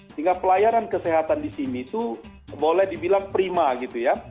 sehingga pelayanan kesehatan di sini itu boleh dibilang prima gitu ya